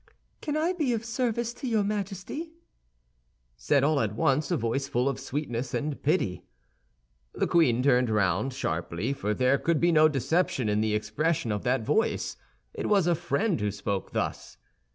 "Can I be of service to your Majesty?" said all at once a voice full of sweetness and pity. The queen turned sharply round, for there could be no deception in the expression of that voice; it was a friend who spoke thus.